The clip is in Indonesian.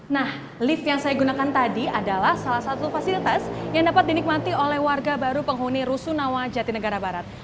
nah lift yang saya gunakan tadi adalah salah satu fasilitas yang dapat dinikmati oleh warga baru penghuni rusunawa jatinegara barat